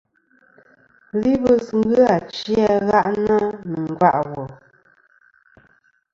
Libɨs ghɨ achi a gha'na nɨ̀ nga' ɨ wùl.